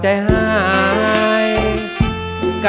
ใช่ว่ามั้ยครับ